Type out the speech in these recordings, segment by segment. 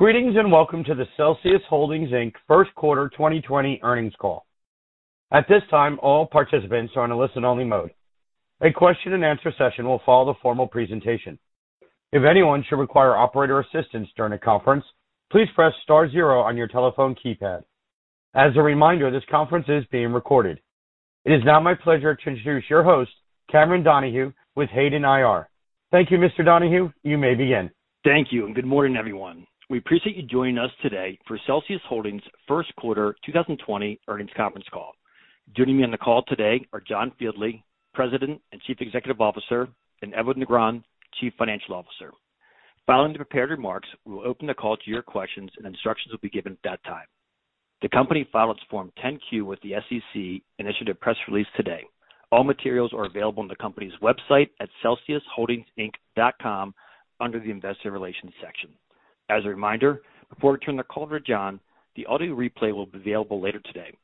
Greetings and welcome to the Celsius Holdings, Inc. First Quarter 2020 Earnings Call. At this time, all participants are in a listen-only mode. A question and answer session will follow the formal presentation. If anyone should require operator assistance during the conference, please press star zero on your telephone keypad. As a reminder, this conference is being recorded. It is now my pleasure to introduce your host, Cameron Donahue, with Hayden IR. Thank you, Mr. Donahue. You may begin. Thank you. Good morning, everyone. We appreciate you joining us today for Celsius Holdings' First Quarter 2020 Earnings Conference Call. Joining me on the call today are John Fieldly, President and Chief Executive Officer, and Edwin Negron, Chief Financial Officer. Following the prepared remarks, we will open the call to your questions and instructions will be given at that time. The company filed its Form 10-Q with the SEC, initiated a press release today. All materials are available on the company's website at celsiusholdingsinc.com under the investor relations section. As a reminder, before we turn the call over to John, the audio replay will be available later today.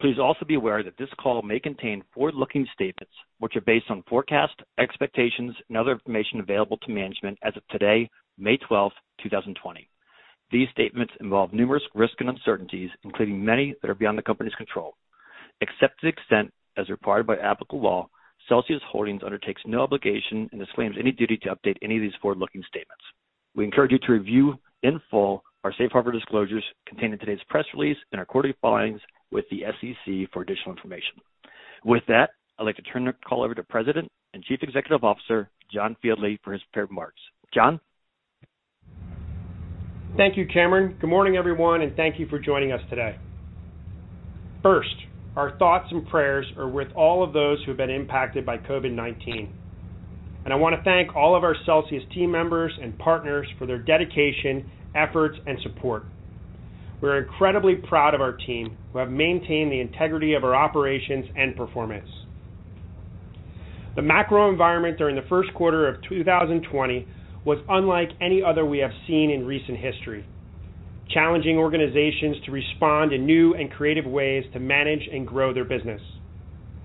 Please also be aware that this call may contain forward-looking statements, which are based on forecasts, expectations, and other information available to management as of today, May 12th, 2020. These statements involve numerous risks and uncertainties, including many that are beyond the company's control. Except to the extent as required by applicable law, Celsius Holdings undertakes no obligation and disclaims any duty to update any of these forward-looking statements. We encourage you to review in full our safe harbor disclosures contained in today's press release and our quarterly filings with the SEC for additional information. With that, I'd like to turn the call over to President and Chief Executive Officer, John Fieldly, for his prepared remarks. John? Thank you, Cameron. Good morning, everyone, and thank you for joining us today. First, our thoughts and prayers are with all of those who have been impacted by COVID-19, and I want to thank all of our Celsius team members and partners for their dedication, efforts, and support. We're incredibly proud of our team, who have maintained the integrity of our operations and performance. The macro environment during the first quarter of 2020 was unlike any other we have seen in recent history, challenging organizations to respond in new and creative ways to manage and grow their business.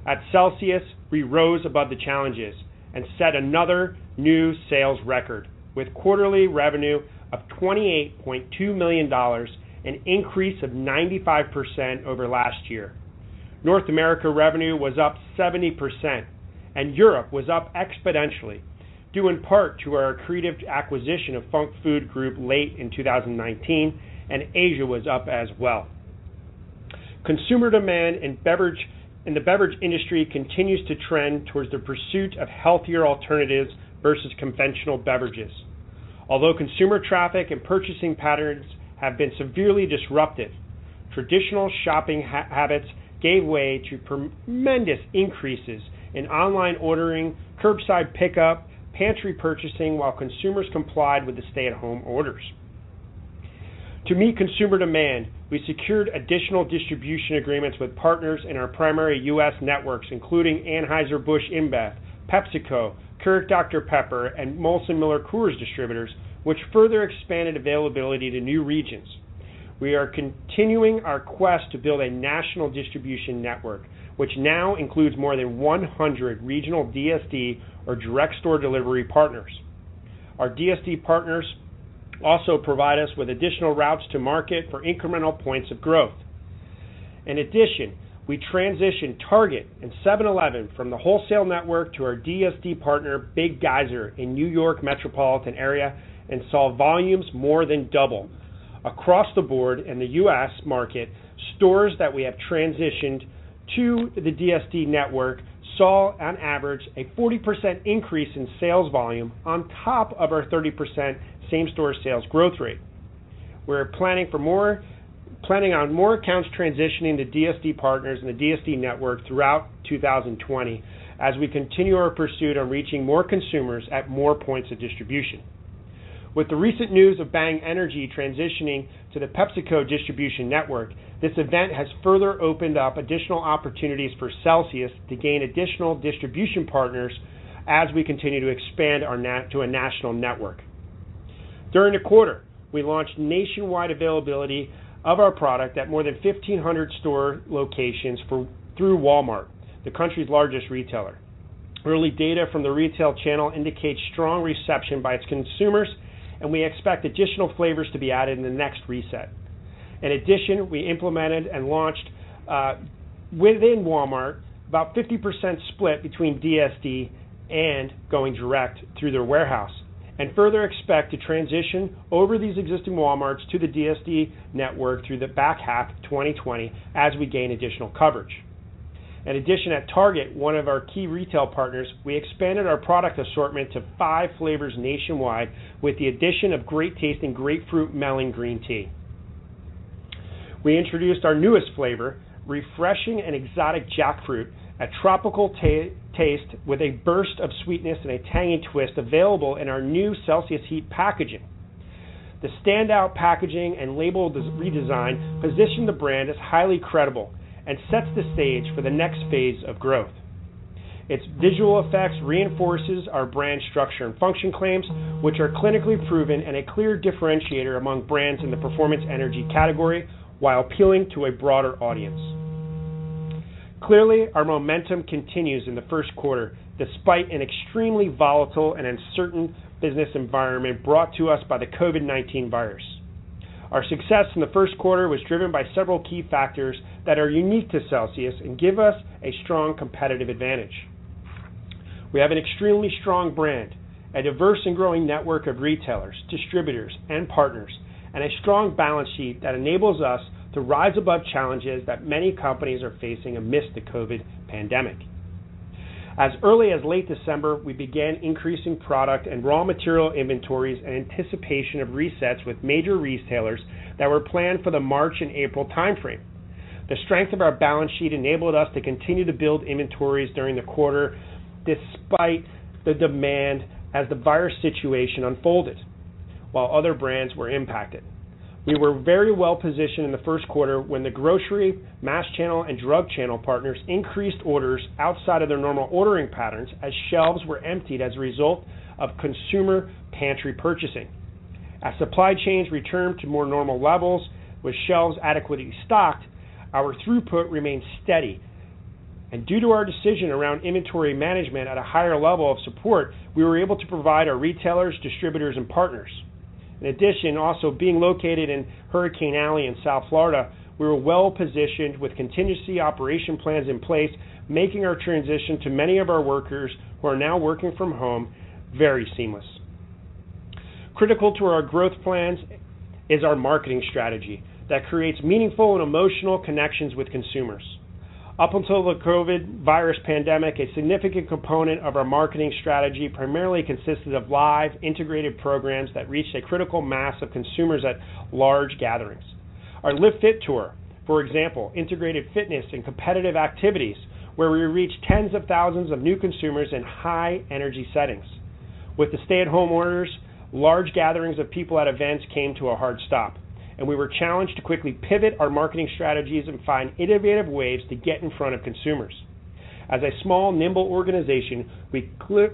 At Celsius, we rose above the challenges and set another new sales record, with quarterly revenue of $28.2 million, an increase of 95% over last year. North America revenue was up 70%, and Europe was up exponentially, due in part to our accretive acquisition of Func Food Group late in 2019, and Asia was up as well. Consumer demand in the beverage industry continues to trend towards the pursuit of healthier alternatives versus conventional beverages. Although consumer traffic and purchasing patterns have been severely disrupted, traditional shopping habits gave way to tremendous increases in online ordering, curbside pickup, pantry purchasing while consumers complied with the stay-at-home orders. To meet consumer demand, we secured additional distribution agreements with partners in our primary U.S. networks, including Anheuser-Busch InBev, PepsiCo, Keurig Dr Pepper, and Molson Coors distributors, which further expanded availability to new regions. We are continuing our quest to build a national distribution network, which now includes more than 100 regional DSD or direct store delivery partners. Our DSD partners also provide us with additional routes to market for incremental points of growth. We transitioned Target and 7-Eleven from the wholesale network to our DSD partner, Big Geyser, in New York metropolitan area and saw volumes more than double. Across the board in the U.S. market, stores that we have transitioned to the DSD network saw on average a 40% increase in sales volume on top of our 30% same-store sales growth rate. We're planning on more accounts transitioning to DSD partners in the DSD network throughout 2020 as we continue our pursuit on reaching more consumers at more points of distribution. With the recent news of Bang Energy transitioning to the PepsiCo distribution network, this event has further opened up additional opportunities for Celsius to gain additional distribution partners as we continue to expand to a national network. During the quarter, we launched nationwide availability of our product at more than 1,500 store locations through Walmart, the country's largest retailer. Early data from the retail channel indicates strong reception by its consumers, and we expect additional flavors to be added in the next reset. In addition, we implemented and launched, within Walmart, about 50% split between DSD and going direct through their warehouse, and further expect to transition over these existing Walmarts to the DSD network through the back half of 2020 as we gain additional coverage. In addition, at Target, one of our key retail partners, we expanded our product assortment to five flavors nationwide with the addition of great-tasting Grapefruit Melon Green Tea. We introduced our newest flavor, refreshing and exotic jackfruit, a tropical taste with a burst of sweetness and a tangy twist available in our new Celsius Heat packaging. The standout packaging and label redesign position the brand as highly credible and sets the stage for the next phase of growth. Its visual effects reinforces our brand structure and function claims, which are clinically proven and a clear differentiator among brands in the performance energy category while appealing to a broader audience. Clearly, our momentum continues in the first quarter, despite an extremely volatile and uncertain business environment brought to us by the COVID-19 virus. Our success in the first quarter was driven by several key factors that are unique to Celsius and give us a strong competitive advantage. We have an extremely strong brand, a diverse and growing network of retailers, distributors, and partners, and a strong balance sheet that enables us to rise above challenges that many companies are facing amidst the COVID pandemic. As early as late December, we began increasing product and raw material inventories in anticipation of resets with major retailers that were planned for the March and April timeframe. The strength of our balance sheet enabled us to continue to build inventories during the quarter despite the demand as the virus situation unfolded, while other brands were impacted. We were very well positioned in the first quarter when the grocery, mass channel, and drug channel partners increased orders outside of their normal ordering patterns as shelves were emptied as a result of consumer pantry purchasing. As supply chains returned to more normal levels with shelves adequately stocked, our throughput remained steady. Due to our decision around inventory management at a higher level of support, we were able to provide our retailers, distributors, and partners. In addition, also being located in Hurricane Alley in South Florida, we were well-positioned with contingency operation plans in place, making our transition to many of our workers who are now working from home very seamless. Critical to our growth plans is our marketing strategy that creates meaningful and emotional connections with consumers. Up until the COVID-19 pandemic, a significant component of our marketing strategy primarily consisted of live integrated programs that reached a critical mass of consumers at large gatherings. Our Live Fit Tour, for example, integrated fitness and competitive activities where we reached tens of thousands of new consumers in high-energy settings. With the stay-at-home orders, large gatherings of people at events came to a hard stop, and we were challenged to quickly pivot our marketing strategies and find innovative ways to get in front of consumers. As a small, nimble organization, we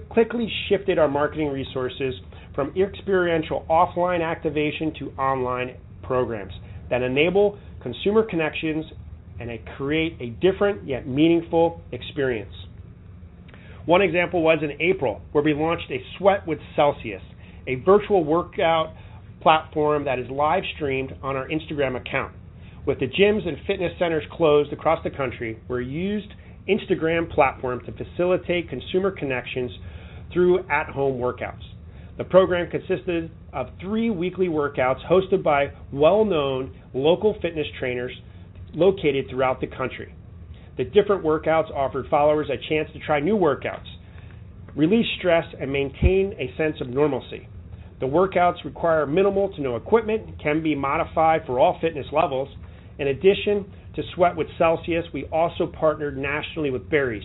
quickly shifted our marketing resources from experiential offline activation to online programs that enable consumer connections and create a different yet meaningful experience. One example was in April, where we launched SWEAT WITH CELSIUS, a virtual workout platform that is live-streamed on our Instagram account. With the gyms and fitness centers closed across the country, we used Instagram platform to facilitate consumer connections through at-home workouts. The program consisted of three weekly workouts hosted by well-known local fitness trainers located throughout the country. The different workouts offered followers a chance to try new workouts, release stress, and maintain a sense of normalcy. The workouts require minimal to no equipment and can be modified for all fitness levels. In addition to SWEAT WITH CELSIUS, we also partnered nationally with Barry's,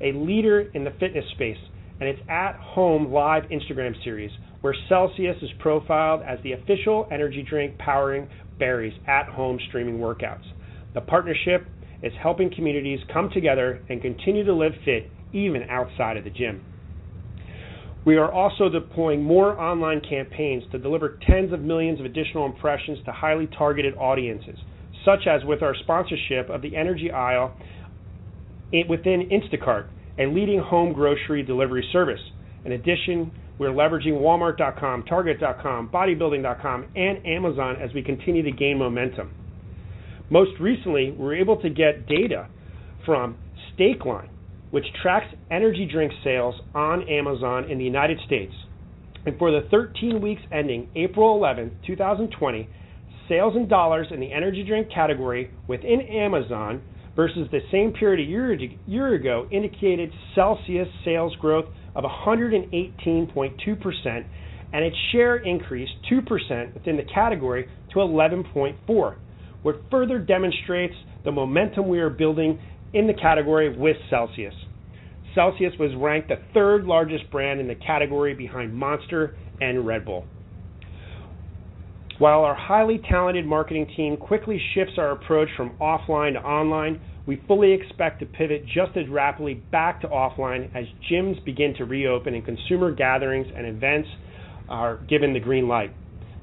a leader in the fitness space, and its at-home live Instagram series, where Celsius is profiled as the official energy drink powering Barry's at-home streaming workouts. The partnership is helping communities come together and continue to Live Fit even outside of the gym. We are also deploying more online campaigns to deliver tens of millions of additional impressions to highly targeted audiences, such as with our sponsorship of the energy aisle within Instacart, a leading home grocery delivery service. In addition, we're leveraging walmart.com, target.com, bodybuilding.com, and Amazon as we continue to gain momentum. Most recently, we were able to get data from Stackline, which tracks energy drink sales on Amazon in the United States. For the 13 weeks ending April 11, 2020, sales in dollars in the energy drink category within Amazon versus the same period a year ago indicated Celsius sales growth of 118.2%, and its share increased 2% within the category to 11.4%, what further demonstrates the momentum we are building in the category with Celsius. Celsius was ranked the third largest brand in the category behind Monster and Red Bull. While our highly talented marketing team quickly shifts our approach from offline to online, we fully expect to pivot just as rapidly back to offline as gyms begin to reopen and consumer gatherings and events are given the green light.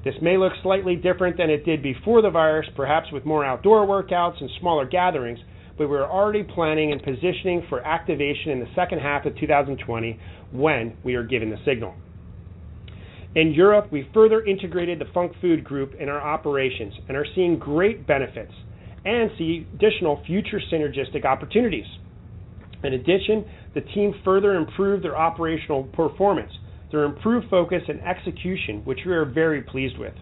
This may look slightly different than it did before the virus, perhaps with more outdoor workouts and smaller gatherings, but we're already planning and positioning for activation in the second half of 2020 when we are given the signal. In Europe, we further integrated the Func Food Group in our operations and are seeing great benefits and see additional future synergistic opportunities. In addition, the team further improved their operational performance through improved focus and execution, which we are very pleased with.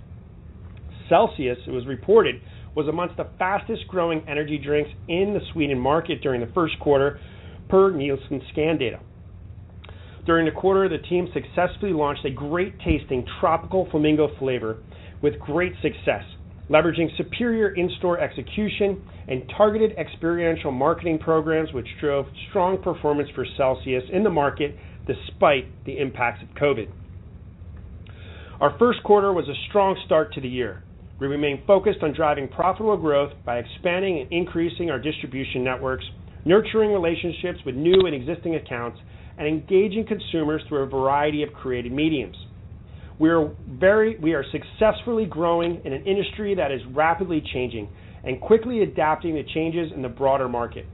Celsius, it was reported, was amongst the fastest-growing energy drinks in the Sweden market during the first quarter, per Nielsen scan data. During the quarter, the team successfully launched a great tasting Tropical Vibe flavor with great success, leveraging superior in-store execution and targeted experiential marketing programs, which drove strong performance for Celsius in the market despite the impacts of COVID. Our first quarter was a strong start to the year. We remain focused on driving profitable growth by expanding and increasing our distribution networks, nurturing relationships with new and existing accounts, and engaging consumers through a variety of creative mediums. We are successfully growing in an industry that is rapidly changing and quickly adapting to changes in the broader market.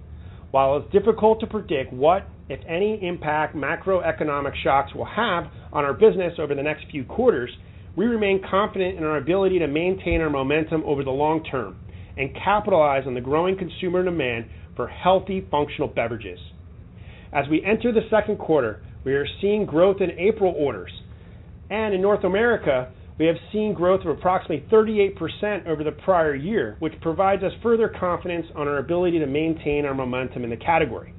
While it's difficult to predict what, if any, impact macroeconomic shocks will have on our business over the next few quarters, we remain confident in our ability to maintain our momentum over the long term and capitalize on the growing consumer demand for healthy functional beverages. As we enter the second quarter, we are seeing growth in April orders. In North America, we have seen growth of approximately 38% over the prior year, which provides us further confidence on our ability to maintain our momentum in the category.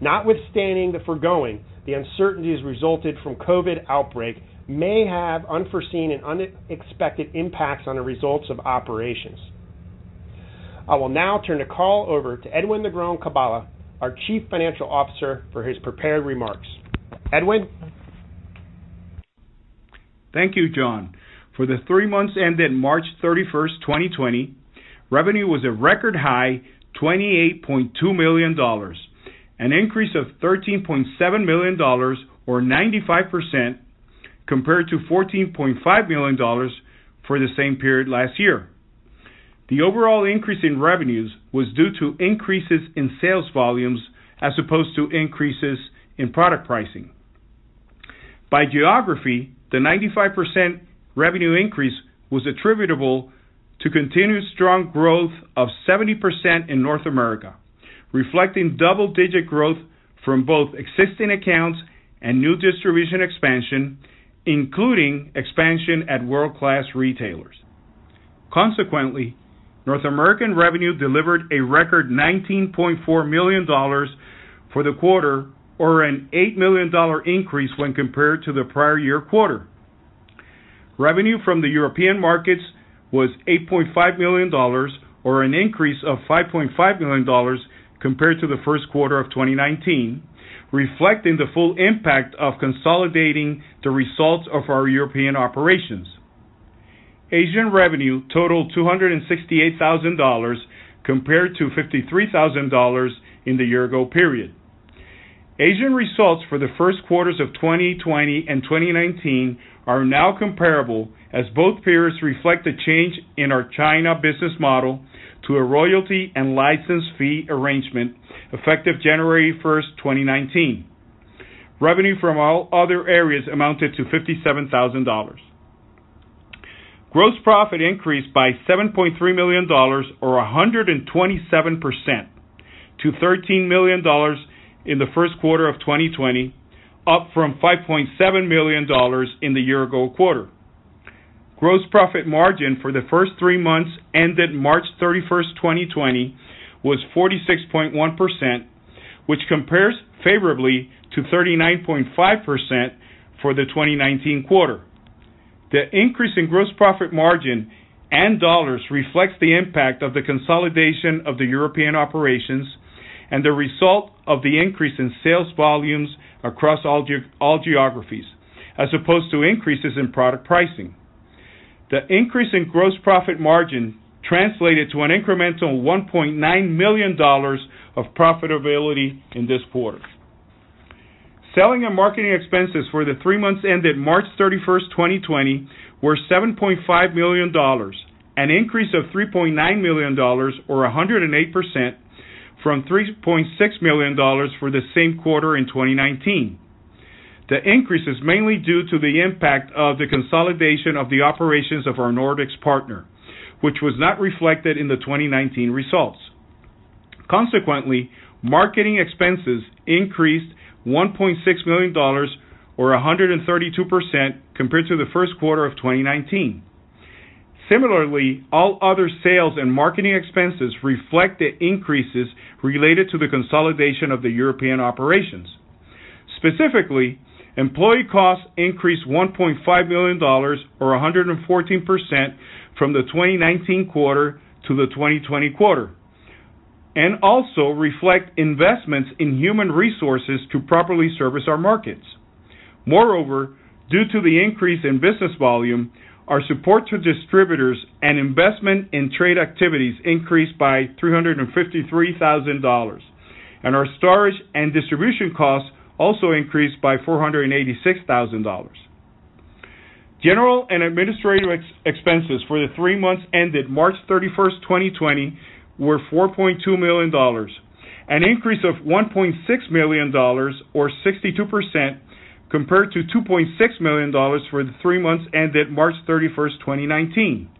Notwithstanding the foregoing, the uncertainties resulted from COVID outbreak may have unforeseen and unexpected impacts on the results of operations. I will now turn the call over to Edwin Negron-Carballo, our Chief Financial Officer, for his prepared remarks. Edwin? Thank you, John Fieldly. For the three months ended March 31st, 2020, revenue was a record high $28.2 million, an increase of $13.7 million, or 95%, compared to $14.5 million for the same period last year. The overall increase in revenues was due to increases in sales volumes as opposed to increases in product pricing. By geography, the 95% revenue increase was attributable to continued strong growth of 70% in North America, reflecting double-digit growth from both existing accounts and new distribution expansion, including expansion at world-class retailers. North American revenue delivered a record $19.4 million for the quarter, or an $8 million increase when compared to the prior year quarter. Revenue from the European markets was $8.5 million, or an increase of $5.5 million compared to the first quarter of 2019, reflecting the full impact of consolidating the results of our European operations. Asian revenue totaled $268,000, compared to $53,000 in the year ago period. Asian results for the first quarters of 2020 and 2019 are now comparable as both periods reflect a change in our China business model to a royalty and license fee arrangement effective January 1st, 2019. Revenue from all other areas amounted to $57,000. Gross profit increased by $7.3 million, or 127%, to $13 million in the first quarter of 2020, up from $5.7 million in the year ago quarter. Gross profit margin for the first three months ended March 31st, 2020 was 46.1%, which compares favorably to 39.5% for the 2019 quarter. The increase in gross profit margin and dollars reflects the impact of the consolidation of the European operations and the result of the increase in sales volumes across all geographies, as opposed to increases in product pricing. The increase in gross profit margin translated to an incremental $1.9 million of profitability in this quarter. Selling and marketing expenses for the three months ended March 31st, 2020 were $7.5 million, an increase of $3.9 million, or 108%, from $3.6 million for the same quarter in 2019. The increase is mainly due to the impact of the consolidation of the operations of our Nordics partner, which was not reflected in the 2019 results. Consequently, marketing expenses increased $1.6 million, or 132%, compared to the first quarter of 2019. Similarly, all other sales and marketing expenses reflect the increases related to the consolidation of the European operations. Specifically, employee costs increased $1.5 million, or 114%, from the 2019 quarter to the 2020 quarter and also reflect investments in human resources to properly service our markets. Moreover, due to the increase in business volume, our support to distributors and investment in trade activities increased by $353,000 and our storage and distribution costs also increased by $486,000. General and administrative expenses for the three months ended March 31st, 2020 were $4.2 million, an increase of $1.6 million, or 62%, compared to $2.6 million for the three months ended March 31st, 2019.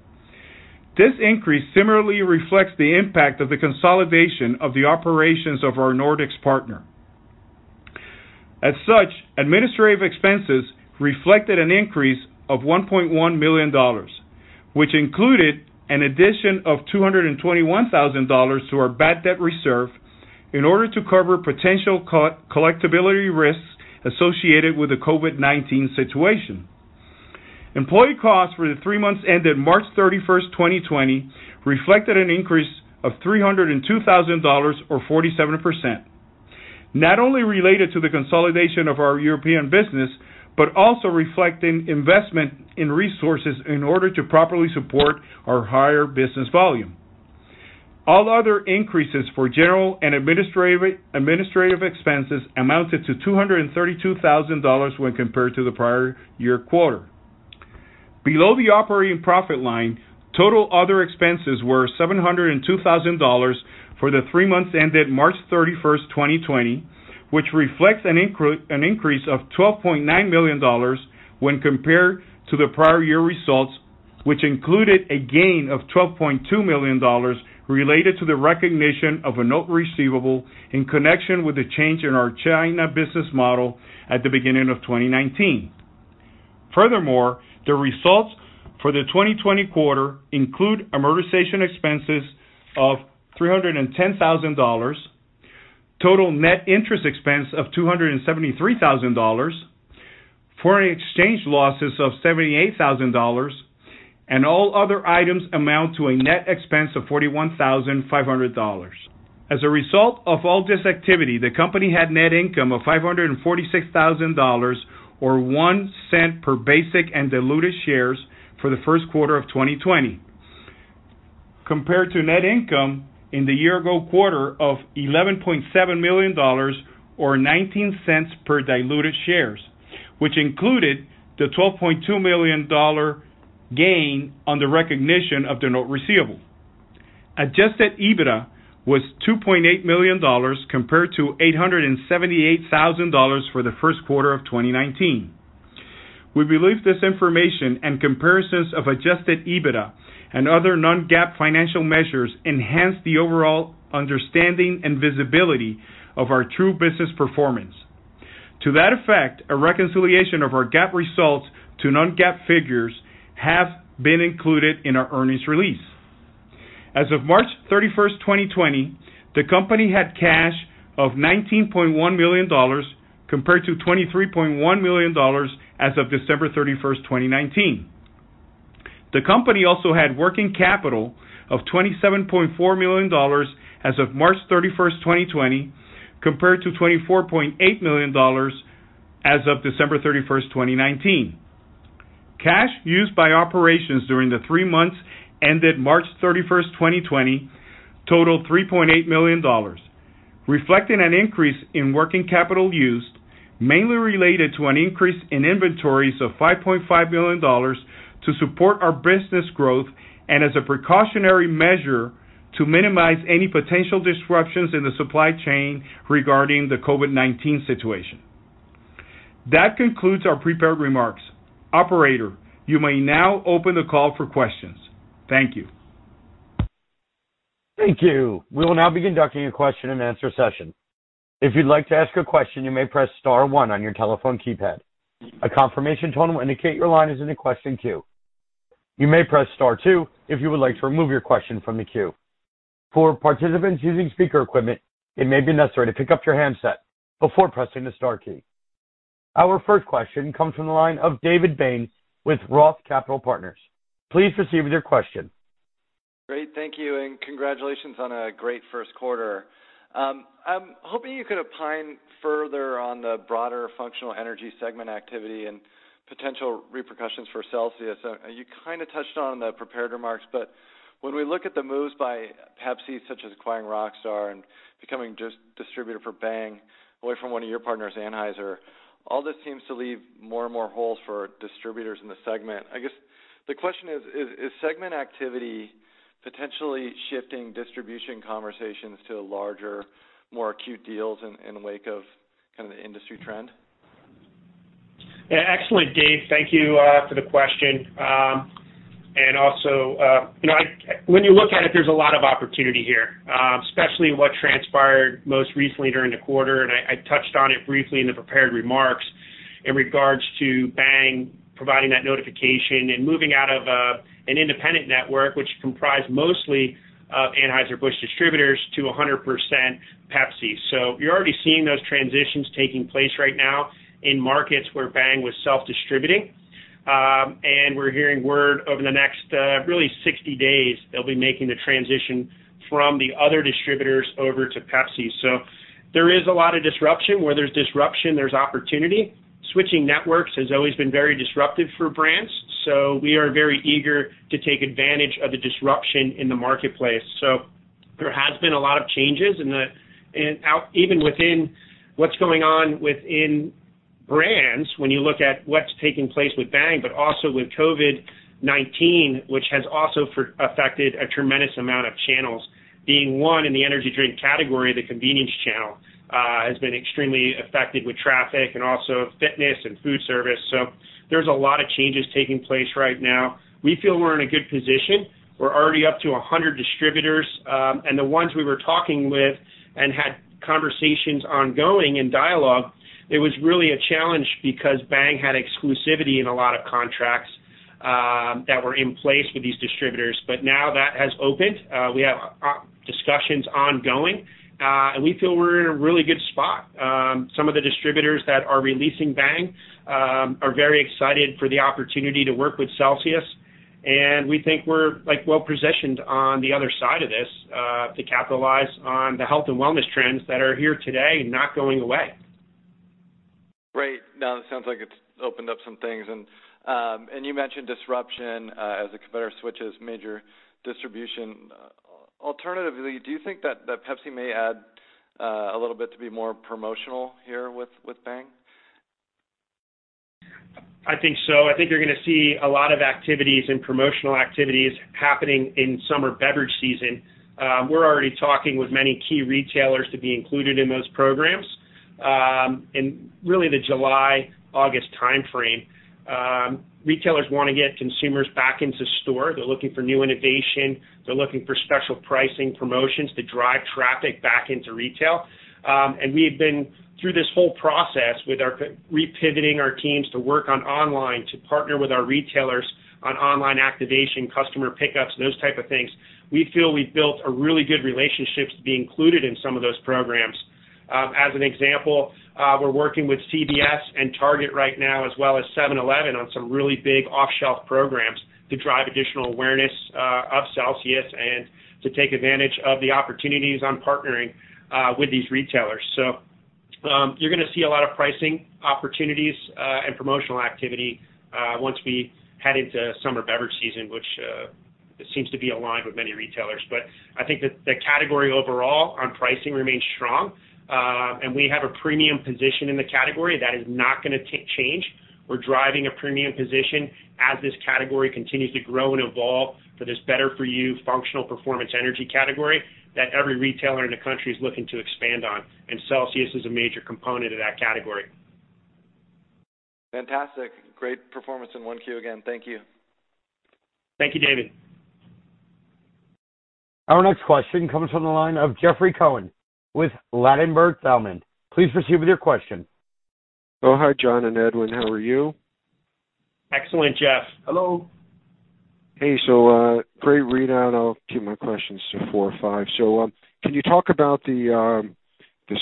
This increase similarly reflects the impact of the consolidation of the operations of our Nordics partner. As such, administrative expenses reflected an increase of $1.1 million, which included an addition of $221,000 to our bad debt reserve in order to cover potential collectibility risks associated with the COVID-19 situation. Employee costs for the three months ended March 31st, 2020 reflected an increase of $302,000, or 47%, not only related to the consolidation of our European business, but also reflecting investment in resources in order to properly support our higher business volume. All other increases for general and administrative expenses amounted to $232,000 when compared to the prior year quarter. Below the operating profit line, total other expenses were $702,000 for the three months ended March 31st, 2020, which reflects an increase of $12.9 million when compared to the prior year results, which included a gain of $12.2 million related to the recognition of a note receivable in connection with the change in our China business model at the beginning of 2019. Furthermore, the results for the 2020 quarter include amortization expenses of $310,000, total net interest expense of $273,000, foreign exchange losses of $78,000, and all other items amount to a net expense of $41,500. As a result of all this activity, the company had net income of $546,000 or $0.01 per basic and diluted shares for the first quarter of 2020. Compared to net income in the year ago quarter of $11.7 million or $0.19 per diluted shares, which included the $12.2 million gain on the recognition of the note receivable. Adjusted EBITDA was $2.8 million compared to $878,000 for the first quarter of 2019. We believe this information and comparisons of Adjusted EBITDA and other non-GAAP financial measures enhance the overall understanding and visibility of our true business performance. To that effect, a reconciliation of our GAAP results to non-GAAP figures have been included in our earnings release. As of March 31st, 2020, the company had cash of $19.1 million, compared to $23.1 million as of December 31st, 2019. The company also had working capital of $27.4 million as of March 31st, 2020, compared to $24.8 million as of December 31st, 2019. Cash used by operations during the three months ended March 31st, 2020 totaled $3.8 million, reflecting an increase in working capital used, mainly related to an increase in inventories of $5.5 million to support our business growth and as a precautionary measure to minimize any potential disruptions in the supply chain regarding the COVID-19 situation. That concludes our prepared remarks. Operator, you may now open the call for questions. Thank you. Thank you. We will now be conducting a question and answer session. If you'd like to ask a question, you may press star one on your telephone keypad. A confirmation tone will indicate your line is in the question queue. You may press star two if you would like to remove your question from the queue. For participants using speaker equipment, it may be necessary to pick up your handset before pressing the star key. Our first question comes from the line of David Bain with ROTH Capital Partners. Please proceed with your question. Great. Thank you, and congratulations on a great first quarter. I'm hoping you could opine further on the broader functional energy segment activity and potential repercussions for Celsius. When we look at the moves by Pepsi, such as acquiring Rockstar and becoming distributor for Bang away from one of your partners, Anheuser, all this seems to leave more and more holes for distributors in the segment. I guess the question is segment activity potentially shifting distribution conversations to larger, more acute deals in wake of kind of the industry trend? Yeah. Excellent, Dave. Thank you for the question. Also when you look at it, there's a lot of opportunity here, especially what transpired most recently during the quarter, and I touched on it briefly in the prepared remarks, in regards to Bang providing that notification and moving out of an independent network, which comprised mostly of Anheuser-Busch distributors to 100% Pepsi. You're already seeing those transitions taking place right now in markets where Bang was self-distributing. We're hearing word over the next really 60 days, they'll be making the transition from the other distributors over to Pepsi. There is a lot of disruption. Where there's disruption, there's opportunity. Switching networks has always been very disruptive for brands. We are very eager to take advantage of the disruption in the marketplace. There has been a lot of changes, even within what's going on within brands, when you look at what's taking place with Bang, but also with COVID-19, which has also affected a tremendous amount of channels. Being one in the energy drink category, the convenience channel has been extremely affected with traffic and also fitness and food service. There's a lot of changes taking place right now. We feel we're in a good position. We're already up to 100 distributors. The ones we were talking with and had conversations ongoing and dialogue, it was really a challenge because Bang had exclusivity in a lot of contracts that were in place with these distributors. Now that has opened. We have discussions ongoing. We feel we're in a really good spot. Some of the distributors that are releasing Bang are very excited for the opportunity to work with Celsius, and we think we're well-positioned on the other side of this to capitalize on the health and wellness trends that are here today and not going away. Great. No, it sounds like it's opened up some things. You mentioned disruption as a competitor switches major distribution. Alternatively, do you think that PepsiCo may add a little bit to be more promotional here with Bang? I think so. I think you're going to see a lot of activities and promotional activities happening in summer beverage season. We're already talking with many key retailers to be included in those programs in really the July, August timeframe. Retailers want to get consumers back into store. They're looking for new innovation. They're looking for special pricing promotions to drive traffic back into retail. We have been through this whole process with repivoting our teams to work on online, to partner with our retailers on online activation, customer pickups, those type of things. We feel we've built a really good relationship to be included in some of those programs. As an example, we're working with CVS and Target right now, as well as 7-Eleven on some really big off-shelf programs to drive additional awareness of Celsius and to take advantage of the opportunities on partnering with these retailers. You're going to see a lot of pricing opportunities, and promotional activity once we head into summer beverage season, which seems to be aligned with many retailers. I think that the category overall on pricing remains strong. We have a premium position in the category that is not going to change. We're driving a premium position as this category continues to grow and evolve for this better for you functional performance energy category that every retailer in the country is looking to expand on. Celsius is a major component of that category. Fantastic. Great performance in 1Q again. Thank you. Thank you, David. Our next question comes from the line of Jeffrey Cohen with Ladenburg Thalmann. Please proceed with your question. Oh, hi, John and Edwin. How are you? Excellent, Jeff. Hello. Hey, great readout. I'll keep my questions to four or five. Can you talk about the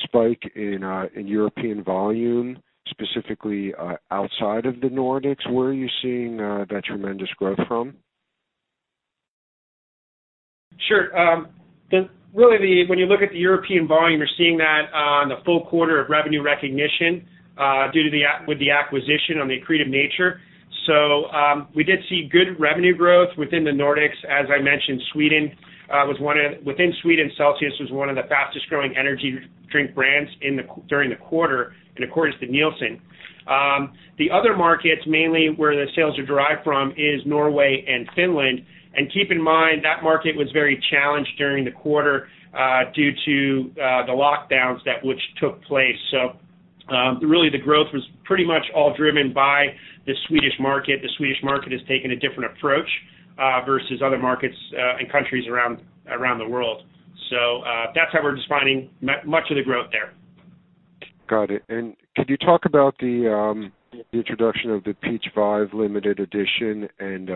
spike in European volume, specifically outside of the Nordics? Where are you seeing that tremendous growth from? Sure. When you look at the European volume, you're seeing that on the full quarter of revenue recognition with the acquisition on the accretive nature. We did see good revenue growth within the Nordics. As I mentioned, within Sweden, Celsius was one of the fastest-growing energy drink brands during the quarter and according to Nielsen. The other markets mainly where the sales are derived from is Norway and Finland. Keep in mind that market was very challenged during the quarter due to the lockdowns which took place. Really the growth was pretty much all driven by the Swedish market. The Swedish market has taken a different approach versus other markets and countries around the world. That's how we're defining much of the growth there. Got it. Could you talk about the introduction of the Peach Vibe limited edition, and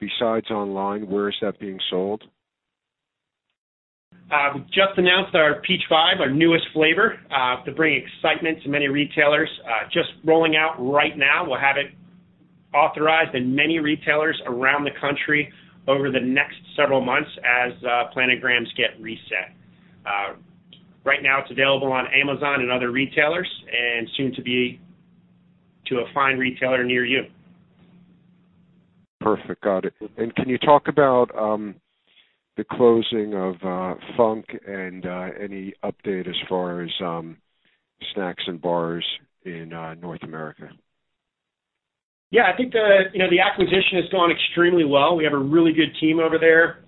besides online, where is that being sold? We just announced our Peach Vibe, our newest flavor to bring excitement to many retailers. Just rolling out right now. We'll have it authorized in many retailers around the country over the next several months as planograms get reset. Right now it's available on Amazon and other retailers and soon to a fine retailer near you. Perfect. Got it. Can you talk about the closing of Func and any update as far as snacks and bars in North America? Yeah, I think the acquisition has gone extremely well. We have a really good team over there.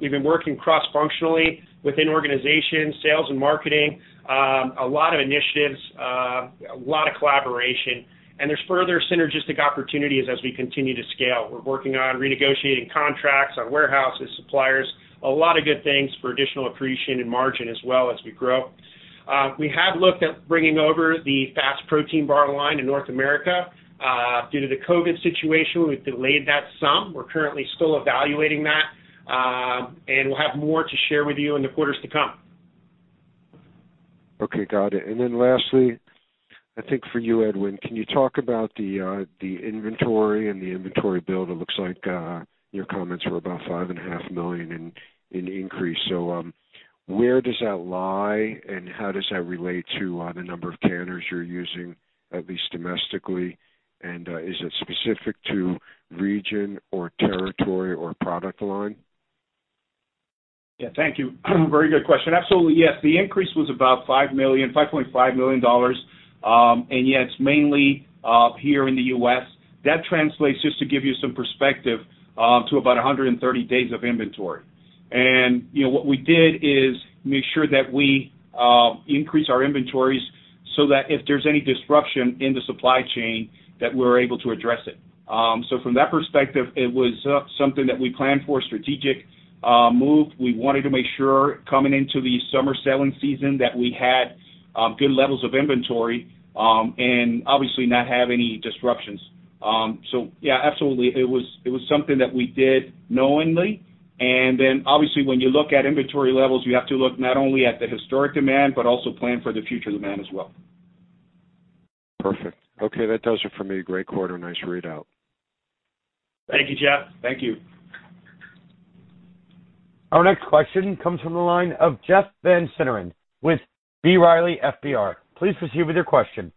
We've been working cross-functionally within organizations, sales and marketing. A lot of initiatives, a lot of collaboration, there's further synergistic opportunities as we continue to scale. We're working on renegotiating contracts, our warehouses, suppliers. A lot of good things for additional accretion and margin as well as we grow. We have looked at bringing over the FAST Protein Bar line in North America. Due to the COVID situation, we've delayed that some. We're currently still evaluating that. We'll have more to share with you in the quarters to come. Okay, got it. Lastly, I think for you, Edwin, can you talk about the inventory and the inventory build? It looks like your comments were about $5.5 million in increase. Where does that lie and how does that relate to the number of canners you're using, at least domestically? Is it specific to region or territory or product line? Thank you. Very good question. Absolutely. The increase was about $5.5 million. It's mainly here in the U.S. That translates, just to give you some perspective, to about 130 days of inventory. What we did is make sure that we increase our inventories so that if there's any disruption in the supply chain, that we're able to address it. From that perspective, it was something that we planned for, a strategic move. We wanted to make sure coming into the summer selling season that we had good levels of inventory and obviously not have any disruptions. Absolutely. It was something that we did knowingly. Obviously when you look at inventory levels, you have to look not only at the historic demand, but also plan for the future demand as well. Perfect. Okay. That does it for me. Great quarter. Nice readout. Thank you, Jeff. Thank you. Our next question comes from the line of Jeff Van Sinderen with B. Riley FBR. Please proceed with your question.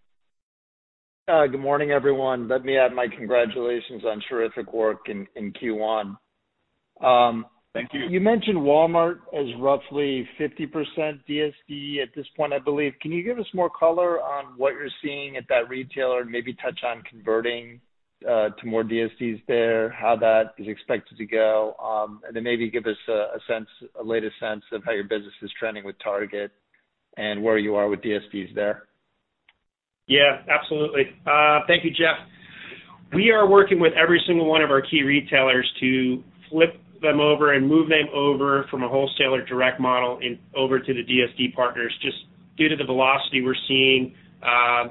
Good morning, everyone. Let me add my congratulations on terrific work in Q1. Thank you. You mentioned Walmart as roughly 50% DSD at this point, I believe. Can you give us more color on what you're seeing at that retailer and maybe touch on converting to more DSDs there, how that is expected to go? Maybe give us a latest sense of how your business is trending with Target and where you are with DSDs there. Yeah, absolutely. Thank you, Jeff. We are working with every single one of our key retailers to flip them over and move them over from a wholesaler direct model over to the DSD partners just due to the velocity we're seeing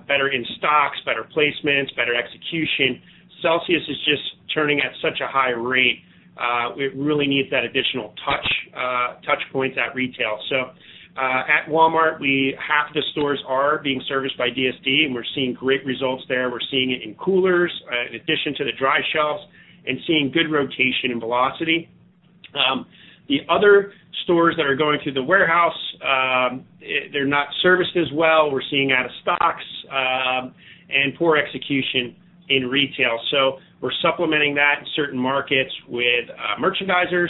better in stocks, better placements, better execution. Celsius is just turning at such a high rate. It really needs that additional touch points at retail. At Walmart, half the stores are being serviced by DSD, and we're seeing great results there. We're seeing it in coolers, in addition to the dry shelves, and seeing good rotation and velocity. The other stores that are going through the warehouse, they're not serviced as well. We're seeing out of stocks and poor execution in retail. We're supplementing that in certain markets with merchandisers.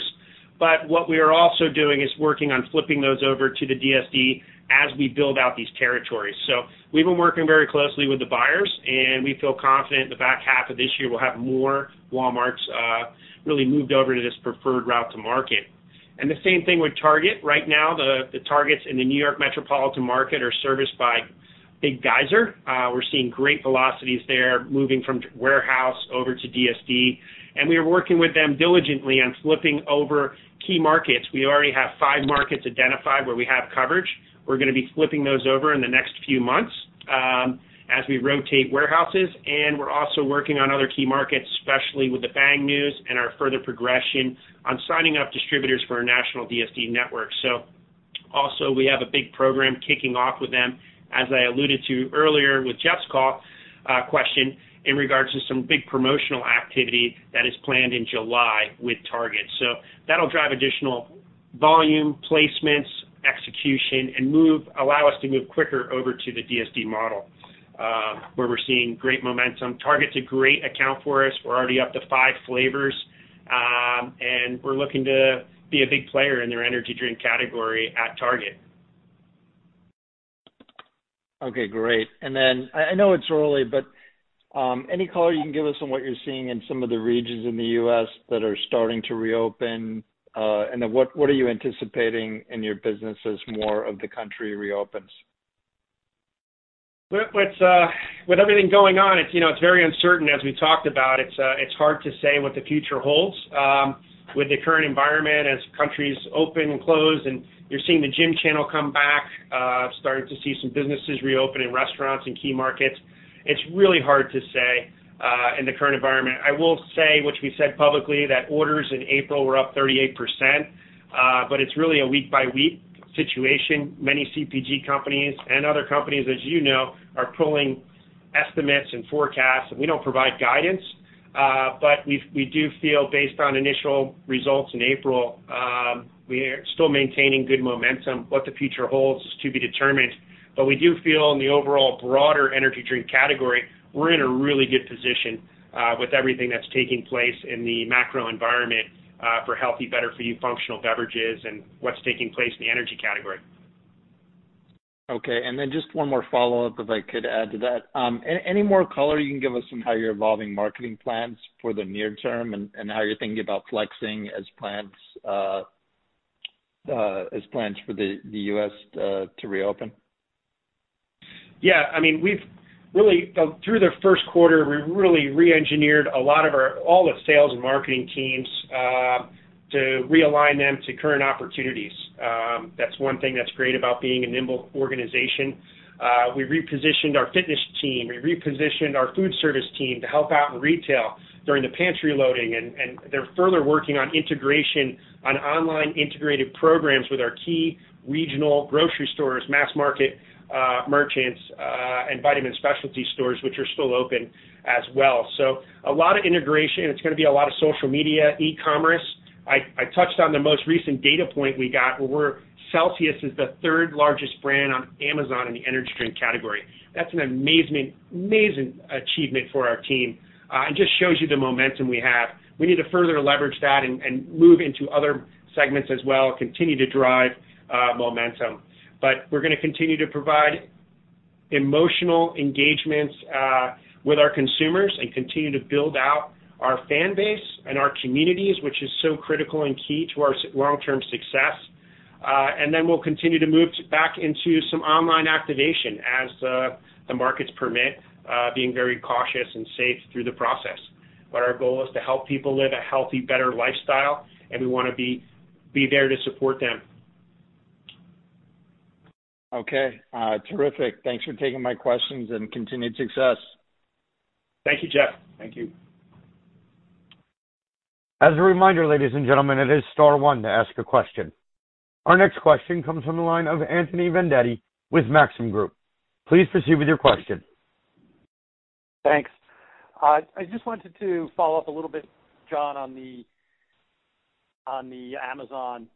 What we are also doing is working on flipping those over to the DSD as we build out these territories. We've been working very closely with the buyers, and we feel confident the back half of this year will have more Walmarts really moved over to this preferred route to market. The same thing with Target. Right now, the Targets in the New York metropolitan market are serviced by Big Geyser. We're seeing great velocities there, moving from warehouse over to DSD, and we are working with them diligently on flipping over key markets. We already have five markets identified where we have coverage. We're going to be flipping those over in the next few months as we rotate warehouses. We're also working on other key markets, especially with the Bang news and our further progression on signing up distributors for our national DSD network. Also we have a big program kicking off with them, as I alluded to earlier with Jeff's question in regards to some big promotional activity that is planned in July with Target. That'll drive additional volume, placements, execution, and allow us to move quicker over to the DSD model, where we're seeing great momentum. Target's a great account for us. We're already up to five flavors. We're looking to be a big player in their energy drink category at Target. Okay, great. I know it's early, but any color you can give us on what you're seeing in some of the regions in the U.S. that are starting to reopen? What are you anticipating in your business as more of the country reopens? With everything going on, it's very uncertain, as we talked about. It's hard to say what the future holds. With the current environment, as countries open and close, and you're seeing the gym channel come back, starting to see some businesses reopen and restaurants in key markets. It's really hard to say in the current environment. I will say, which we said publicly, that orders in April were up 38%, but it's really a week-by-week situation. Many CPG companies and other companies, as you know, are pulling estimates and forecasts. We don't provide guidance, but we do feel based on initial results in April, we're still maintaining good momentum. What the future holds is to be determined, but we do feel in the overall broader energy drink category, we're in a really good position with everything that's taking place in the macro environment for healthy, better-for-you functional beverages and what's taking place in the energy category. Okay, just one more follow-up, if I could add to that. Any more color you can give us on how you're evolving marketing plans for the near term and how you're thinking about flexing as plans for the U.S. to reopen? Yeah, through the first quarter, we really reengineered all the sales and marketing teams to realign them to current opportunities. That's one thing that's great about being a nimble organization. We repositioned our fitness team, we repositioned our food service team to help out in retail during the pantry loading, and they're further working on integration on online integrated programs with our key regional grocery stores, mass market merchants, and vitamin specialty stores, which are still open as well. A lot of integration. It's going to be a lot of social media, e-commerce. I touched on the most recent data point we got where Celsius is the third largest brand on Amazon in the energy drink category. That's an amazing achievement for our team and just shows you the momentum we have. We need to further leverage that and move into other segments as well, continue to drive momentum. We're going to continue to provide emotional engagements with our consumers and continue to build out our fan base and our communities, which is so critical and key to our long-term success. Then we'll continue to move back into some online activation as the markets permit, being very cautious and safe through the process. Our goal is to help people live a healthy, better lifestyle, and we want to be there to support them. Okay. Terrific. Thanks for taking my questions and continued success. Thank you, Jeff. Thank you. As a reminder, ladies and gentlemen, it is star one to ask a question. Our next question comes from the line of Anthony Vendetti with Maxim Group. Please proceed with your question. Thanks. I just wanted to follow up a little bit, John, on the Amazon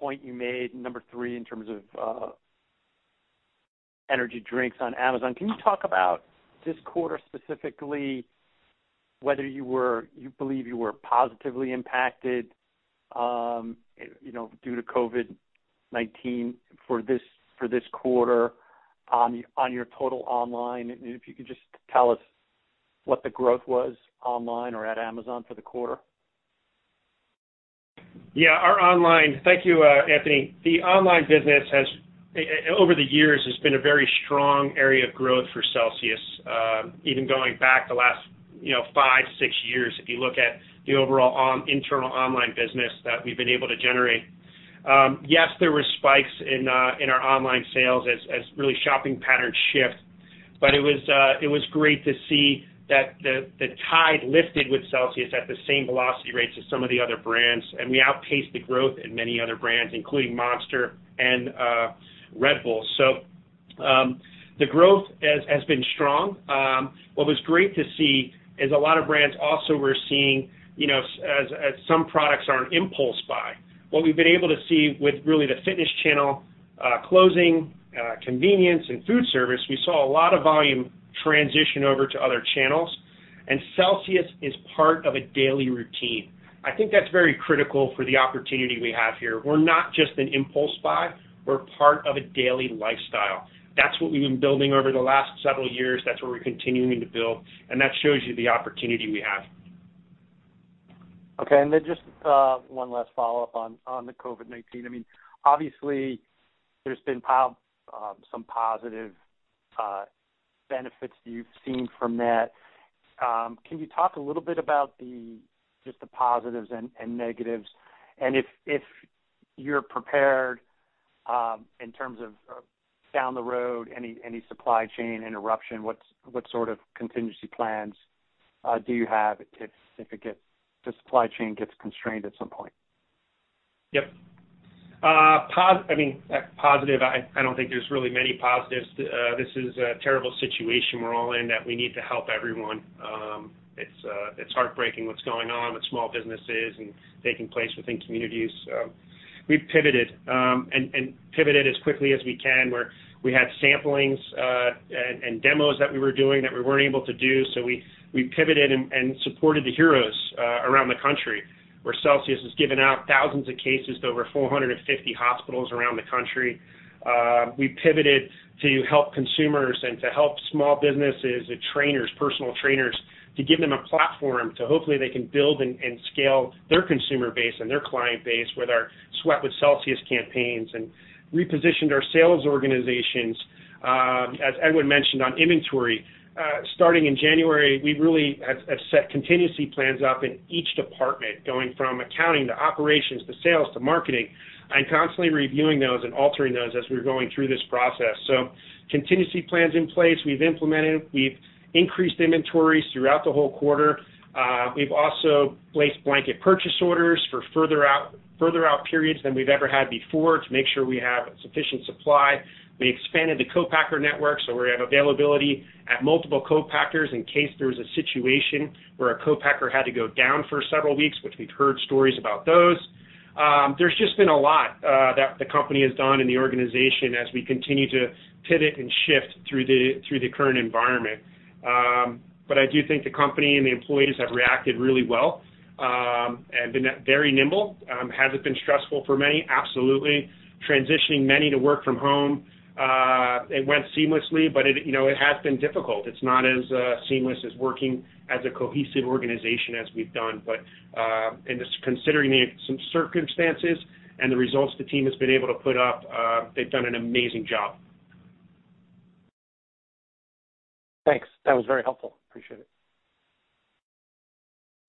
point you made, number three, in terms of energy drinks on Amazon. Can you talk about this quarter specifically, whether you believe you were positively impacted, due to COVID-19 for this quarter on your total online? If you could just tell us what the growth was online or at Amazon for the quarter. Yeah. Thank you, Anthony. The online business over the years has been a very strong area of growth for Celsius. Even going back the last, five to six years, if you look at the overall internal online business that we've been able to generate. Yes, there were spikes in our online sales as really shopping patterns shift. It was great to see that the tide lifted with Celsius at the same velocity rates as some of the other brands, and we outpaced the growth in many other brands, including Monster and Red Bull. The growth has been strong. What was great to see is a lot of brands also we're seeing, as some products are an impulse buy. What we've been able to see with really the fitness channel closing, convenience and food service, we saw a lot of volume transition over to other channels. Celsius is part of a daily routine. I think that's very critical for the opportunity we have here. We're not just an impulse buy. We're part of a daily lifestyle. That's what we've been building over the last several years, that's what we're continuing to build, and that shows you the opportunity we have. Okay, then just one last follow-up on the COVID-19. Obviously, there's been some positive benefits you've seen from that. Can you talk a little bit about just the positives and negatives, and if you're prepared, in terms of down the road, any supply chain interruption? What sort of contingency plans do you have if the supply chain gets constrained at some point? Yep. Positive, I don't think there's really many positives. This is a terrible situation we're all in, that we need to help everyone. It's heartbreaking what's going on with small businesses and taking place within communities. We've pivoted, and pivoted as quickly as we can, where we had samplings and demos that we were doing that we weren't able to do. We pivoted and supported the heroes around the country, where Celsius has given out thousands of cases to over 450 hospitals around the country. We pivoted to help consumers and to help small businesses and personal trainers to give them a platform to hopefully they can build and scale their consumer base and their client base with our SWEAT WITH CELSIUS campaigns and repositioned our sales organizations. As Edwin mentioned on inventory, starting in January, we really have set contingency plans up in each department, going from accounting to operations to sales to marketing, and constantly reviewing those and altering those as we're going through this process. Contingency plans in place, we've implemented, we've increased inventories throughout the whole quarter. We've also placed blanket purchase orders for further out periods than we've ever had before to make sure we have sufficient supply. We expanded the co-packer network, so we have availability at multiple co-packers in case there's a situation where a co-packer had to go down for several weeks, which we've heard stories about those. There's just been a lot that the company has done and the organization as we continue to pivot and shift through the current environment. I do think the company and the employees have reacted really well, and been very nimble. Has it been stressful for many? Absolutely. Transitioning many to work from home, it went seamlessly, but it has been difficult. It's not as seamless as working as a cohesive organization as we've done. Just considering some circumstances and the results the team has been able to put up, they've done an amazing job. Thanks. That was very helpful. Appreciate it.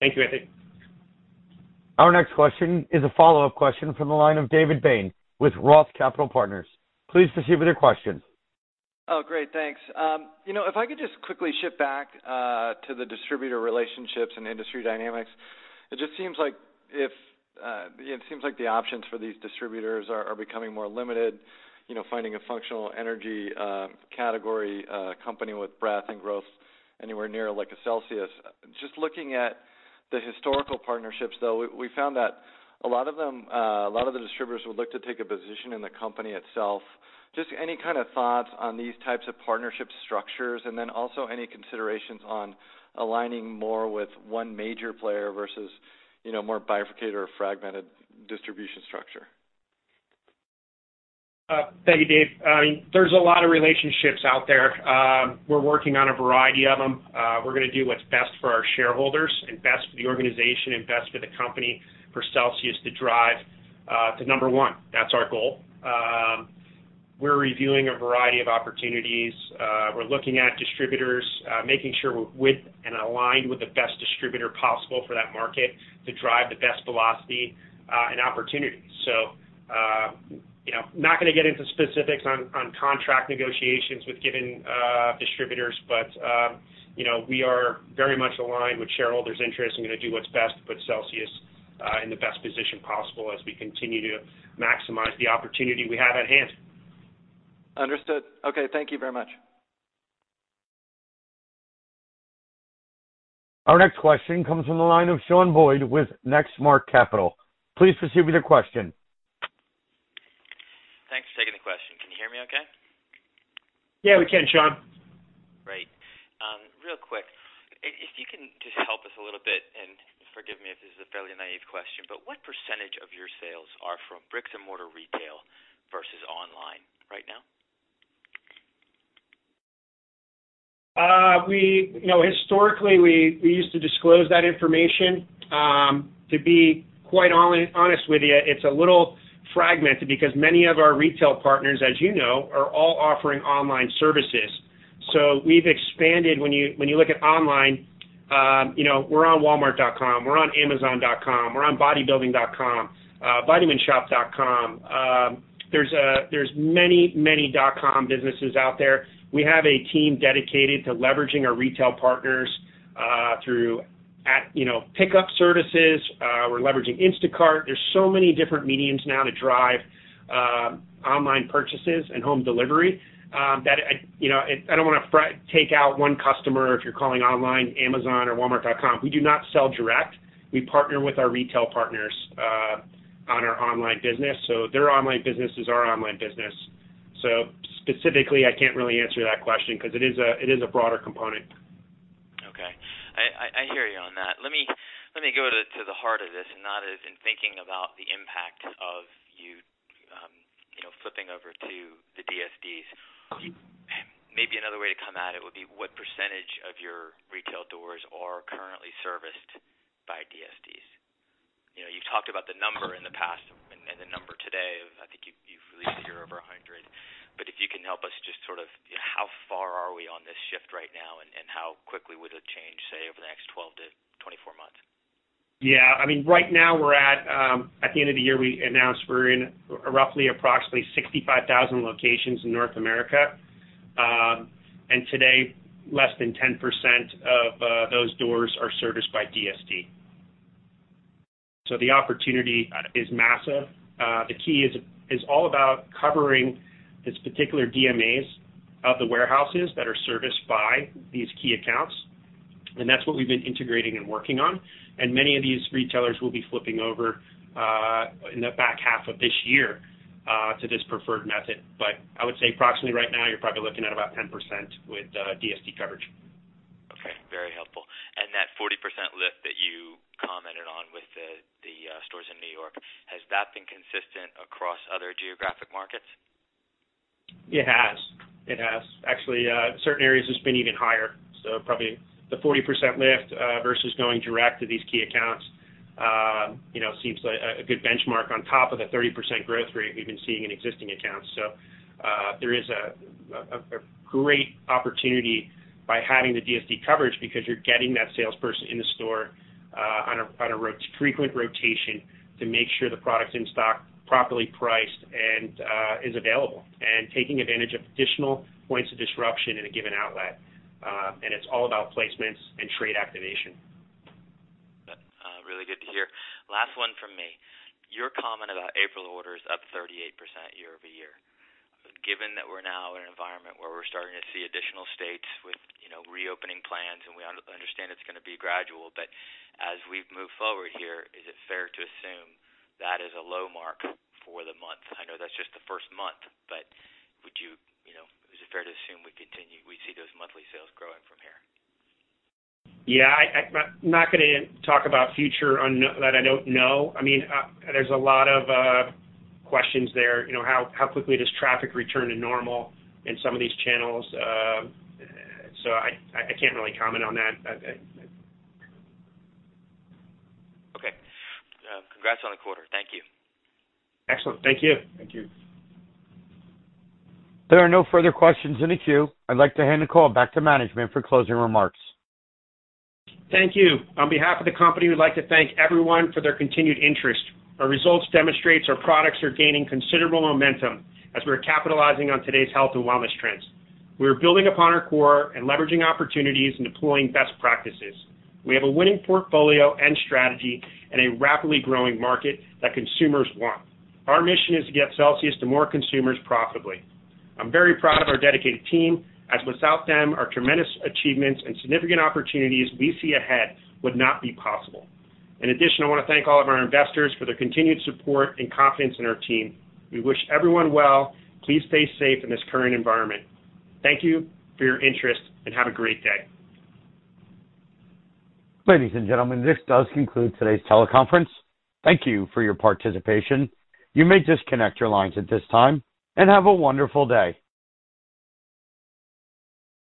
Thank you, Anthony. Our next question is a follow-up question from the line of David Bain with ROTH Capital Partners. Please proceed with your question. Oh, great. Thanks. If I could just quickly shift back to the distributor relationships and industry dynamics. It seems like the options for these distributors are becoming more limited, finding a functional energy category company with breadth and growth anywhere near like a Celsius. Just looking at the historical partnerships, though, we found that a lot of the distributors would look to take a position in the company itself. Just any kind of thoughts on these types of partnership structures, and then also any considerations on aligning more with one major player versus more bifurcated or fragmented distribution structure? Thank you, Dave. There's a lot of relationships out there. We're working on a variety of them. We're going to do what's best for our shareholders and best for the organization and best for the company for Celsius to drive to number one. That's our goal. We're reviewing a variety of opportunities. We're looking at distributors, making sure we're with and aligned with the best distributor possible for that market to drive the best velocity and opportunity. Not going to get into specifics on contract negotiations with given distributors, but we are very much aligned with shareholders' interest and going to do what's best to put Celsius in the best position possible as we continue to maximize the opportunity we have at hand. Understood. Okay, thank you very much. Our next question comes from the line of Shawn Boyd with Next Mark Capital. Please proceed with your question. Thanks for taking the question. Can you hear me okay? Yeah, we can, Shawn. Great. Real quick, if you can just help us a little bit, and forgive me if this is a fairly naive question, but what percentage of your sales are from bricks and mortar retail versus online right now? Historically, we used to disclose that information. To be quite honest with you, it's a little fragmented because many of our retail partners, as you know, are all offering online services. We've expanded. When you look at online, we're on walmart.com, we're on amazon.com, we're on bodybuilding.com, vitaminshoppe.com. There's many dot.com businesses out there. We have a team dedicated to leveraging our retail partners through pickup services. We're leveraging Instacart. There's so many different mediums now to drive online purchases and home delivery. I don't want to take out one customer if you're calling online Amazon or walmart.com. We do not sell direct. We partner with our retail partners on our online business. Their online business is our online business. Specifically, I can't really answer that question because it is a broader component. Okay. I hear you on that. Let me go to the heart of this, Not as in thinking about the impact of you flipping over to the DSDs. Maybe another way to come at it would be what percentage of your retail doors are currently serviced by DSDs? You've talked about the number in the past and the number today of, I think you've released you're over 100. If you can help us just sort of how far are we on this shift right now, and how quickly would it change, say, over the next 12-24 months? Yeah, right now, at the end of the year, we announced we're in roughly approximately 65,000 locations in North America. Today, less than 10% of those doors are serviced by DSD. The opportunity is massive. The key is all about covering these particular DMAs of the warehouses that are serviced by these key accounts, and that's what we've been integrating and working on. Many of these retailers will be flipping over in the back half of this year to this preferred method. I would say approximately right now, you're probably looking at about 10% with DSD coverage. Okay. Very helpful. That 40% lift that you commented on with the stores in New York, has that been consistent across other geographic markets? It has. Actually, certain areas it's been even higher. Probably the 40% lift versus going direct to these key accounts seems a good benchmark on top of the 30% growth rate we've been seeing in existing accounts. There is a great opportunity by having the DSD coverage because you're getting that salesperson in the store on a frequent rotation to make sure the product's in stock, properly priced, and is available, and taking advantage of additional points of disruption in a given outlet. It's all about placements and trade activation. Really good to hear. Last one from me. Your comment about April orders up 38% year-over-year. Given that we're now in an environment where we're starting to see additional states with reopening plans, and we understand it's going to be gradual, but as we move forward here, is it fair to assume that is a low mark for the month? I know that's just the first month, but is it fair to assume we'd see those monthly sales growing from here? I'm not going to talk about future that I don't know. There's a lot of questions there. How quickly does traffic return to normal in some of these channels? I can't really comment on that. Okay. Congrats on the quarter. Thank you. Excellent. Thank you. There are no further questions in the queue. I'd like to hand the call back to management for closing remarks. Thank you. On behalf of the company, we'd like to thank everyone for their continued interest. Our results demonstrate our products are gaining considerable momentum as we're capitalizing on today's health and wellness trends. We are building upon our core and leveraging opportunities and deploying best practices. We have a winning portfolio and strategy in a rapidly growing market that consumers want. Our mission is to get Celsius to more consumers profitably. I'm very proud of our dedicated team, as without them, our tremendous achievements and significant opportunities we see ahead would not be possible. In addition, I want to thank all of our investors for their continued support and confidence in our team. We wish everyone well. Please stay safe in this current environment. Thank you for your interest, and have a great day. Ladies and gentlemen, this does conclude today's teleconference. Thank you for your participation. You may disconnect your lines at this time, and have a wonderful day.